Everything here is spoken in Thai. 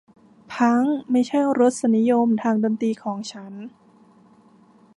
พั้งค์ไม่ใช่รสนิยมทางดนตรีของฉัน